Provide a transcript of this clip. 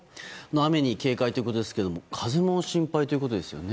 雨に警戒ということですが風も心配ということですよね。